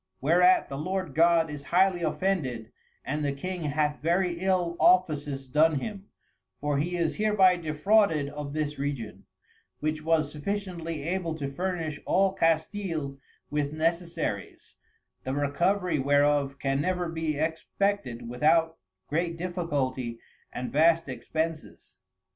Whereat the Lord God is highly offended and the King hath very ill Offices done him, for he is hereby defrauded of this Region, which was sufficiently able to furnish all Castile with Necessaries, the Recovery whereof can never be expected without great difficulty and vast Expenses.